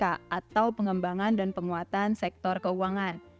atau pengembangan dan penguatan sektor keuangan